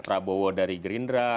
prabowo dari gerindra